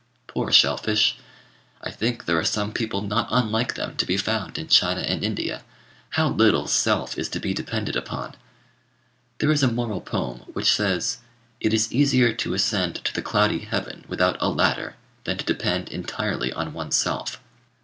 Poor shell fish! I think there are some people not unlike them to be found in China and India. How little self is to be depended upon! There is a moral poem which says, "It is easier to ascend to the cloudy heaven without a ladder than to depend entirely on oneself."